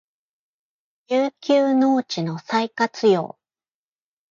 遊休農地の再活用